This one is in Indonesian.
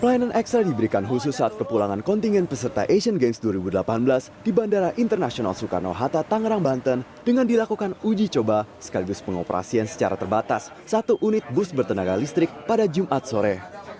pelayanan ekstra diberikan khusus saat kepulangan kontingen peserta asian games dua ribu delapan belas di bandara internasional soekarno hatta tangerang banten dengan dilakukan uji coba sekaligus pengoperasian secara terbatas satu unit bus bertenaga listrik pada jumat sore